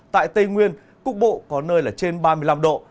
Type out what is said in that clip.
tại tây nguyên cục bộ có nơi là trên ba mươi năm độ